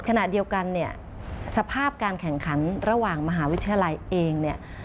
ขณะเดียวกันเนี่ยสภาพการแข่งขันระหว่างมหาวิทยาลัยเองเนี่ย